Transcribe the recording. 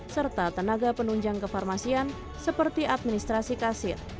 serta tenaga penunjang kefarmasian seperti administrasi kasir